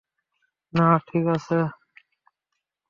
না, ঠিক আছে।